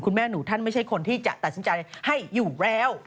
แม่หนูท่านไม่ใช่คนที่จะตัดสินใจให้อยู่แล้ว